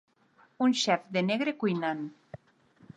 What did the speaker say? Un xef de negre cuinant.